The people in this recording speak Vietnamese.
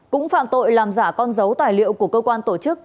cũng phạm tội làm giả con dấu tài liệu của cơ quan tổ chức